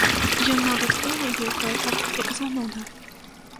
Ён нават вымавіў гэта, як зануда!